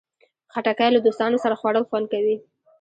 خټکی له دوستانو سره خوړل خوند کوي.